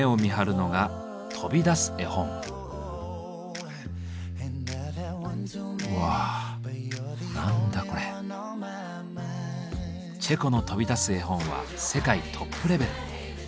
チェコの飛び出す絵本は世界トップレベル。